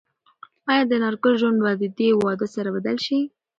ایا د انارګل ژوند به د دې واده سره بدل شي؟